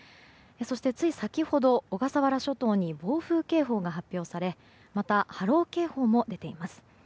そして、つい先ほど小笠原諸島に暴風警報が発表されまた、波浪警報も出ています。